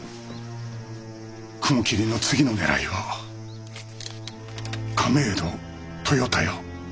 雲霧の次の狙いは亀戸豊田屋。